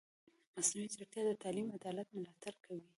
مصنوعي ځیرکتیا د تعلیمي عدالت ملاتړ کوي.